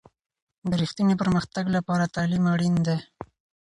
د رښتیني پرمختګ لپاره تعلیم اړین دی.